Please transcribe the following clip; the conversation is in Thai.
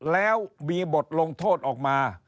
แล้วมีบทลงโทษออกมา